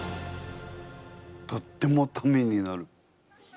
とってもタメになる。